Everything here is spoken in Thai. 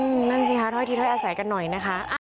นั่นสิคะถ้อยทีถ้อยอาศัยกันหน่อยนะคะ